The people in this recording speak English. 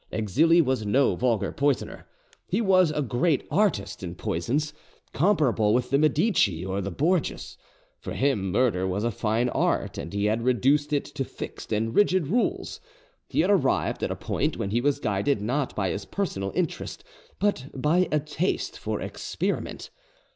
Exili was no vulgar poisoner: he was a great artist in poisons, comparable with the Medici or the Borgias. For him murder was a fine art, and he had reduced it to fixed and rigid rules: he had arrived at a point when he was guided not by his personal interest but by a taste for experiment.